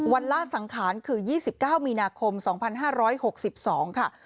ลาดสังขารคือ๒๙มีนาคม๒๕๖๒ค่ะ